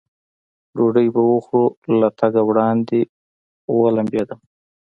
ډوډۍ به وخورو، له تګه وړاندې ومبېدم.